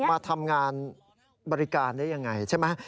มาทำงานบริการได้ยังไงใช่ไหม